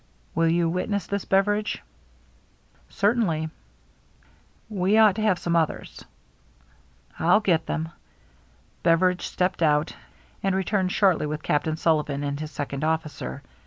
Will you witness this, Beveridge ?"" Certainly." " We ought to have some others." " I'll get them." Beveridge stepped out,^ and returned shortly with Captain Sullivan and his second officer.